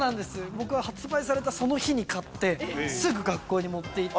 僕は発売されたその日に買ってすぐ学校に持っていって。